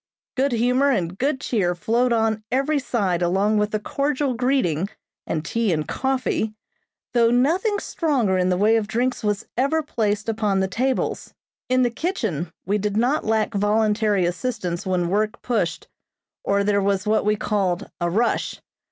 Good humor and good cheer flowed on every side along with the cordial greeting, and tea and coffee, though nothing stronger in the way of drinks was ever placed upon the tables. In the kitchen we did not lack voluntary assistants when work pushed, or there was what we called "a rush."